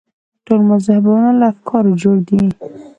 ټول مذهبونه له افکارو جوړ دي.